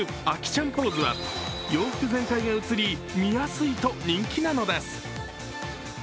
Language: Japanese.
Ａｋｉちゃんポーズは洋服全体が写り、見やすいと人気なのです。